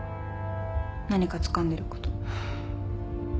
何かつかんでること。